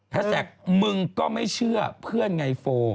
แท็กมึงก็ไม่เชื่อเพื่อนไงโฟ